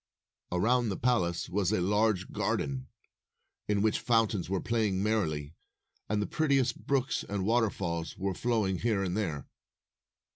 Around the palace was a large garden, in which fountains were playing merrily, and the prettiest brooks and waterfalls were flowing here and there.